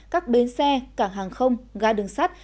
các bến xe cảng hàng không ga đường sắt